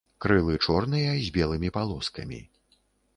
Крылы чорныя з белымі палоскамі.